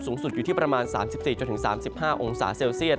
สูงสุดอยู่ที่ประมาณ๓๔๓๕องศาเซลเซียต